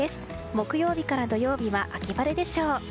木曜日から土曜日は秋晴れでしょう。